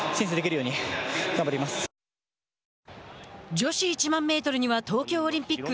女子１００００メートルには東京オリンピック